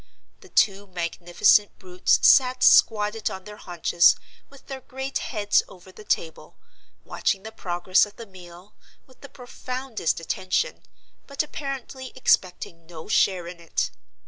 The two magnificent brutes sat squatted on their haunches, with their great heads over the table, watching the progress of the meal, with the profoundest attention, but apparently expecting no share in it.